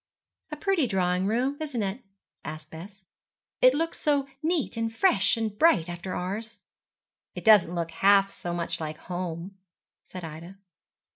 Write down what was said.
'A pretty drawing room, isn't it?' asked Bess. 'It looks so neat and fresh and bright after ours.' 'It doesn't look half so much like home,' said Ida.